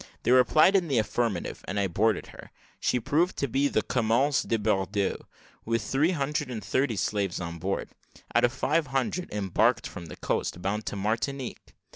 They replied in the affirmative; and I boarded her. She proved to be the Commerce de Bordeaux, with three hundred and thirty slaves on board, out of five hundred embarked from the coast, bound to Martinique.